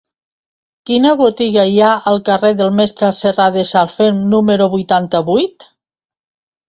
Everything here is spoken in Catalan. Quina botiga hi ha al carrer del Mestre Serradesanferm número vuitanta-vuit?